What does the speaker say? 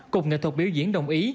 cục nghệ thuật biểu diễn đồng ý